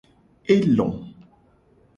E lo.